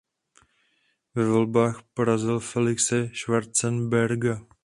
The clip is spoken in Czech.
Ve volbách porazil Felixe Schwarzenberga.